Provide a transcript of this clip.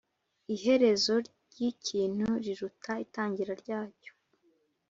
Iherezo ry’ ikintu riruta itagira ryacyo